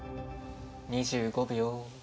２５秒。